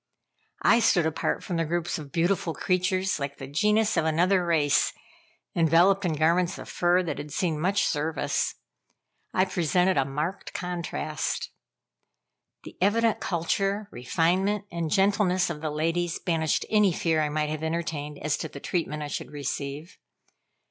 I stood apart from the groups of beautiful creatures like the genus of another race, enveloped in garments of fur that had seen much service. I presented a marked contrast. The evident culture, refinement, and gentleness of the ladies, banished any fear I might have entertained as to the treatment I should receive.